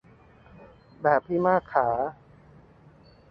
แบบพี่มากขา